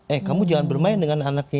eh kamu jangan bermain dengan anaknya